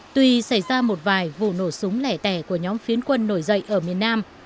tuy xảy ra một vài vụ nổ súng lẻ tẻ của nhóm phiến quân nổi dậy ở miền nam